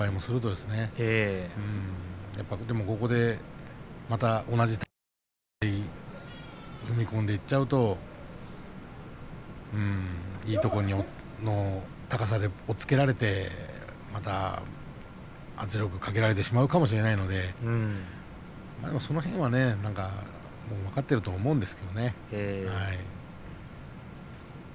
でもここで同じ高さで立ち合い踏み込んでいっちゃうといいところの高さで押っつけられてまた圧力をかけられてしまうかもしれないので何かその辺はね分かっていると思うんですけれどもね。